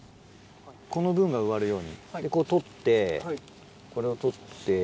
この分が植わるようにでこう取ってこれを取って。